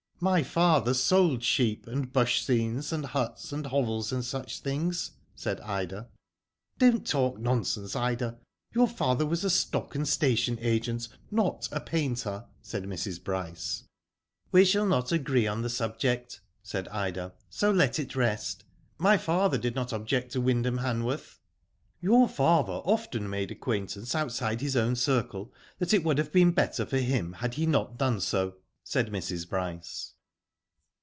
My father sold sheep, and bush scenes, and huts, and hovels, and such things," said Ida. "Don't talk nonsense, Ida. Your father was a stock and station agent, not a painter," said Mrs. Bryce. Digitized byGoogk 54 IVHO DID IT? " We shall not agree on the subject/' said Ida, " so let it rest. My father did not object to Wyndham Hanworth.^' '* Your father often made acquaintance outside his own circle that it would have been better for him had he not done so/' said Mrs. Bryce.